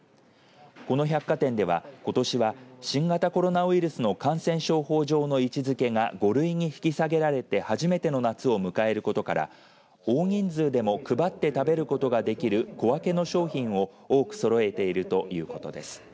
この百貨店では、ことしは新型コロナウイルスの感染症法上の位置づけが５類に引き下げられて初めての夏を迎えることから大人数でも配って食べることができる小分けの商品を多くそろえているということです。